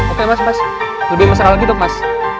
oke mas mas lebih masalah lagi dong mas